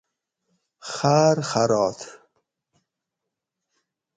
خاۤر خارات